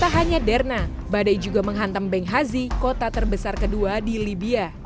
tak hanya derna badai juga menghantam benghazi kota terbesar kedua di libya